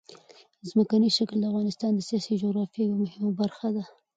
ځمکنی شکل د افغانستان د سیاسي جغرافیه یوه مهمه برخه ده.